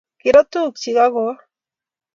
kirat tungukchi ago woo